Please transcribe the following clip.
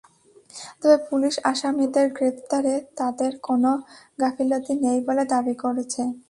তবে পুলিশ আসামিদের গ্রেপ্তারে তাদের কোনো গাফিলতি নেই বলে দাবি করেছে।